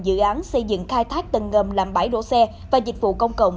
dự án xây dựng khai thác tầng ngầm làm bãi đổ xe và dịch vụ công cộng